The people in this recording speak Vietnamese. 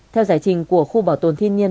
theo giải trình của khu bảo tồn thiên nhiên